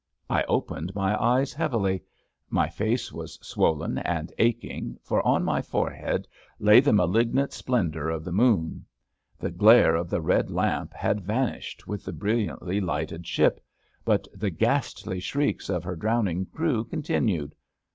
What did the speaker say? '* I opened my eyes heavily. My face was swollen and aching, for on my forehead lay the malignant splendour of the moon. The glare of the Red Lamp had THE RED LAMP 37 vanished with the brilliantly lighted ship, but the ghastly shrieks of her drowning crew continued.